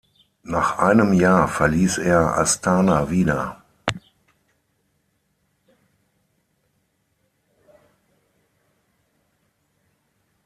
Nach einem Jahr verließ er Astana wieder.